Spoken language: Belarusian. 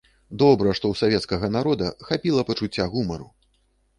Добра, што ў савецкага народа хапіла пачуцця гумару.